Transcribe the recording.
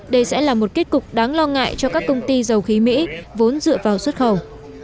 đây sẽ là một kết cục đáng lo ngại cho các công ty dầu khí mỹ vốn dựa vào xuất khẩu